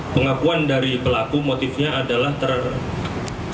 pengakuan dari pelaku adalah terlalu terang